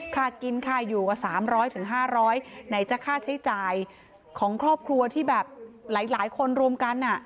ค่ากินค่าอยู่กว่า๓๐๐๕๐๐ไหนจะค่าใช้จ่ายของครอบครัวที่แบบหลายคนรวมกัน